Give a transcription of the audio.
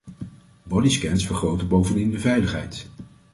Bodyscans vergroten bovendien de veiligheid.